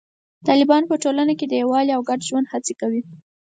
طالبان په ټولنه کې د یووالي او ګډ ژوند هڅې کوي.